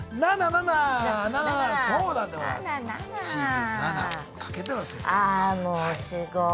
ああもうすごい。